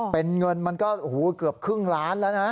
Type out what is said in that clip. เป็นเงินมันก็เกือบครึ่งล้านแล้วนะ